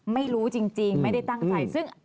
ไม่รู้จริงไม่ได้ตั้งใจซึ่ง